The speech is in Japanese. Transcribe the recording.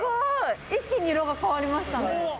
一気に色が変わりましたね。